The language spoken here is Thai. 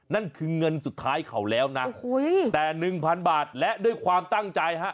นั่นคือเงินสุดท้ายเขาแล้วนะแต่๑๐๐บาทและด้วยความตั้งใจฮะ